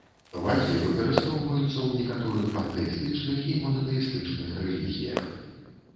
Вагі выкарыстоўваюцца ў некаторых пантэістычных і монатэістычных рэлігіях.